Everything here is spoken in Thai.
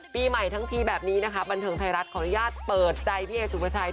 ปีใหม่ทั้งทีแบบนี้นะคะบันเทิงไทยรัฐขออนุญาตเปิดใจพี่เอสุภาชัย